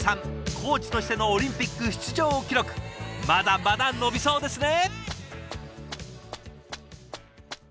コーチとしてのオリンピック出場記録まだまだ伸びそうですね。